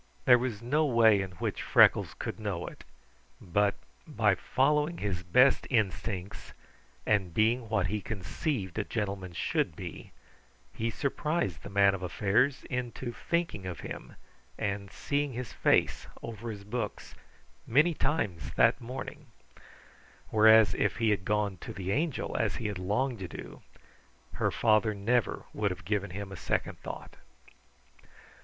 There was no way in which Freckles could know it, but by following his best instincts and being what he conceived a gentleman should be, he surprised the Man of Affairs into thinking of him and seeing his face over his books many times that morning; whereas, if he had gone to the Angel as he had longed to do, her father never would have given him a second thought.